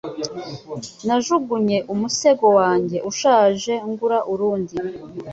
Najugunye umusego wanjye ushaje ngura urundi.